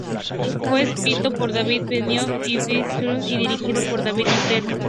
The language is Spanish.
Fue escrito por David Benioff y D. B. Weiss, y dirigido por David Nutter.